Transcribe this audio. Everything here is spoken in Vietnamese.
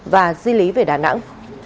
và di lý về đà nẵng